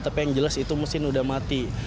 tapi yang jelas itu mesin udah mati